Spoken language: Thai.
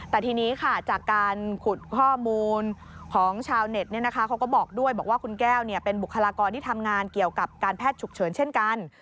แต่ทีนี้ค่ะจากการขุดข้อมูลของชาวเน็ตเขาก็บอกด้วยบอกว่าคุณแก้วเป็นบุคลากรที่ทำงานเกี่ยวกับการแพทย์ฉุกเฉินเช่นกัน